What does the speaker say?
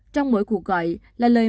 trong mỗi cuộc gọi là lời